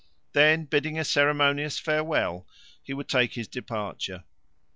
Then, bidding a ceremonious farewell, he would take his departure.